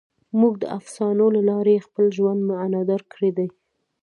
موږ د افسانو له لارې خپل ژوند معنیدار کړی دی.